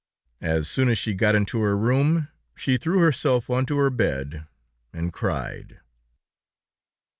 As soon as she got into her room, she threw herself onto her bed and cried.